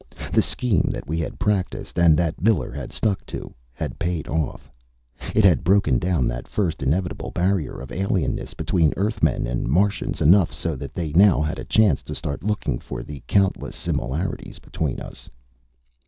The scheme that we had practiced, and that Miller had stuck to, had paid off. It had broken down that first inevitable barrier of alienness between Earthmen and Martians enough so that they now had a chance to start looking for the countless similarities between us.